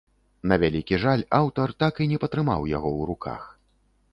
На вялікі жаль, аўтар так і не патрымаў яго ў руках.